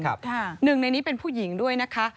หนึ่งในนี้เป็นผู้หญิงด้วยนะคะ